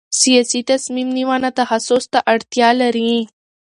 سیاسي تصمیم نیونه تخصص ته اړتیا لري